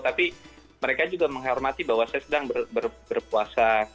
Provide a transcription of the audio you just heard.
tapi mereka juga menghormati bahwa saya sedang berpuasa